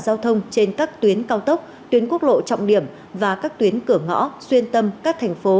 giao thông trên các tuyến cao tốc tuyến quốc lộ trọng điểm và các tuyến cửa ngõ xuyên tâm các thành phố